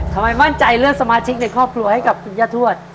ทำไมมั่นใจเลือกสมาชิกในครอบครัวให้กับคุณย่าทวด